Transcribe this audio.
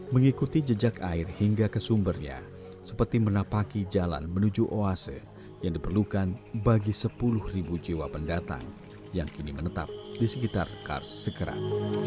mengikuti jejak air hingga ke sumbernya seperti menapaki jalan menuju oase yang diperlukan bagi sepuluh jiwa pendatang yang kini menetap di sekitar kars sekerang